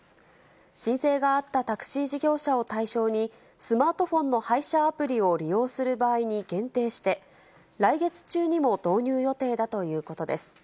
申請があったタクシー事業者を対象に、スマートフォンの配車アプリを利用する場合に限定して、来月中にも導入予定だということです。